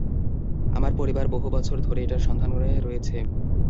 আমার পরিবার বহুবছর ধরে এটার সন্ধানে রয়েছে।